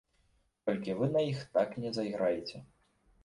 Толькі вы на іх так не зайграеце.